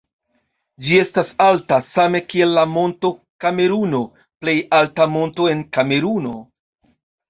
Ĝi estas alta, same kiel la Monto Kameruno, plej alta monto en Kameruno.